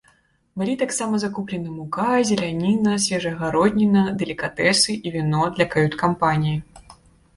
Былі таксама закуплены мука, зеляніна і свежая гародніна, далікатэсы і віно для кают-кампаніі.